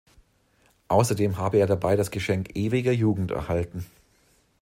Außerdem habe er dabei das Geschenk ewiger Jugend erhalten.